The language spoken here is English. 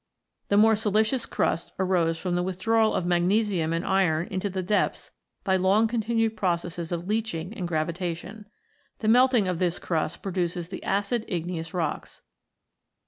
The more siliceous crust arose from the withdrawal of magnesium and iron into the depths by long continued processes of leaching and gravitation. The melting of this crust produces the acid igneous rocks.